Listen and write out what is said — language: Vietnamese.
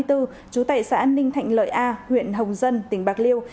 trú tại xã ninh thạnh lợi a huyện hồng dân tỉnh bạc liêu